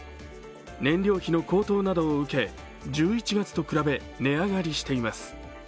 燃料費の高騰などを受け１１月と比べ値上がりしています。